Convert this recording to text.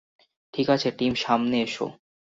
ঠিকাছে, টিম, সামনে এসো।